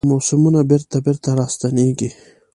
موسمونه بیرته، بیرته راستنیږي